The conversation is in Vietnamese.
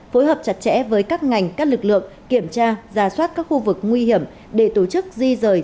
phối hợp chặt chẽ với các ngành các lực lượng kiểm tra ra soát các khu vực nguy hiểm để tổ chức di rời